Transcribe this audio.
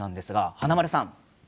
華丸さん